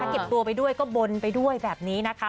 เก็บตัวไปด้วยก็บนไปด้วยแบบนี้นะคะ